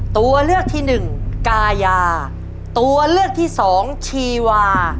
ตัวเลือกที่หนึ่งกายาตัวเลือกที่สองชีวา